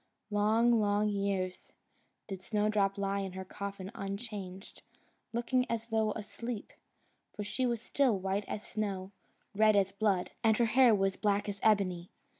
Long, long years, did Snowdrop lie in her coffin unchanged, looking as though asleep, for she was still white as snow, red as blood, and her hair was black as ebony.